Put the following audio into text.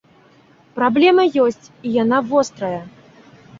Праблема ёсць і яна вострая.